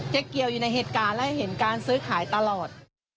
เกี่ยวอยู่ในเหตุการณ์และเห็นการซื้อขายตลอด